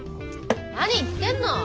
何言ってんの！